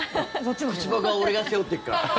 口パクは俺が背負っていくから。